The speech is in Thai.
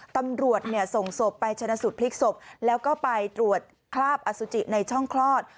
ตำรวจส่งศพไปชนะสูตรพลิกศพแล้วก็ไปตรวจคราบอสุจิในช่องคลอด